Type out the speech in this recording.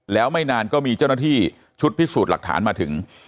แล้วไม่นานก็มีเจ้าหน้าที่ชุดพิสูจน์หลักฐานมาถึง